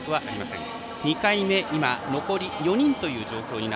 ２回目、残り４人という状況です。